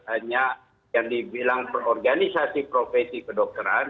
hanya yang dibilang perorganisasi profesi kedokteran